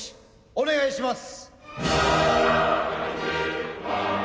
お願いします。